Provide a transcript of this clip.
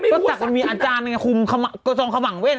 ก็สักมันมีอาจารย์คุมกระทรองขมับเว้น